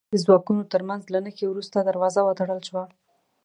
د ځواکونو تر منځ له نښتې وروسته دروازه وتړل شوه.